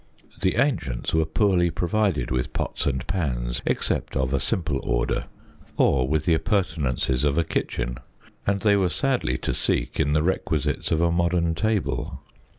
The ancients were poorly provided with pots and pans, except of a simple order, or with the appurtenances of a kitchen, and they were sadly to seek in the requisites v of a modern table.